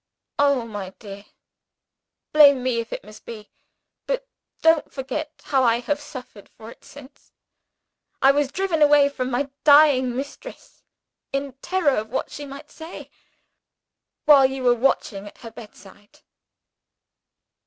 Oh, my dear, blame me if it must be; but don't forget how I have suffered for it since! I was driven away from my dying mistress, in terror of what she might say, while you were watching at her bedside.